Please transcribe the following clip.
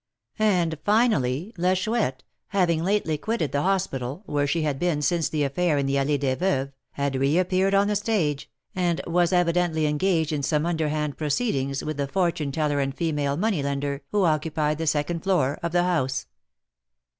And, finally, La Chouette, having lately quitted the hospital, where she had been since the affair in the Allée des Veuves, had reappeared on the stage, and was evidently engaged in some underhand proceedings with the fortune teller and female money lender who occupied the second floor of the house.